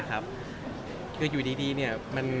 คืออยู่ดีเนี่ย